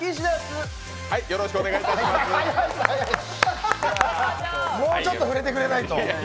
早いです、もうちょっと触れてくれないと。